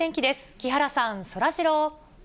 木原さん、そらジロー。